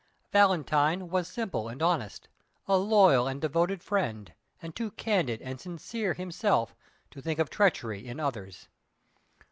Valentine was simple and honest, a loyal and devoted friend, and too candid and sincere himself to think of treachery in others.